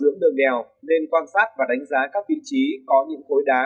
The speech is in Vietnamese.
lưỡng đường đèo nên quan sát và đánh giá các vị trí có những khối đá